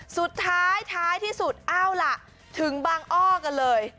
สุดท้ายท้ายที่สุดเอาล่ะถึงบางอ้อกันเลย